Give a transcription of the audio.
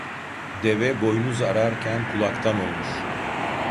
Deve boynuz ararken kulaktan olmuş.